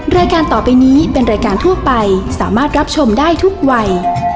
รายการต่อไปนี้เป็นรายการทั่วไปสามารถรับชมได้ทุกวัย